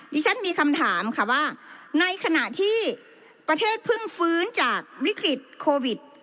ดิฉันมีคำถามค่ะว่าในขณะที่ประเทศเพิ่งฟื้นจากวิกฤตโควิด